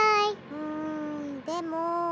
うんでも。